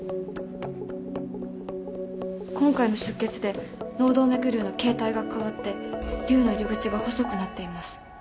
今回の出血で脳動脈瘤の形態が変わって瘤の入り口が細くなっています。